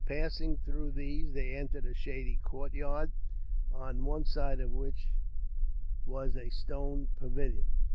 Passing through these, they entered a shady courtyard, on one side of which was a stone pavilion.